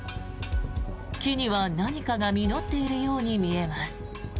木には何かが実っているように見えます。